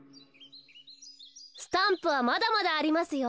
スタンプはまだまだありますよ。